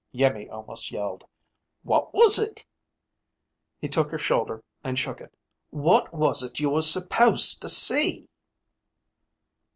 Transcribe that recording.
Iimmi almost yelled. "What was it?" He took her shoulder and shook it. "What was it you were supposed to see?"